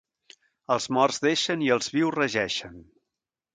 Els morts deixen i els vius regeixen.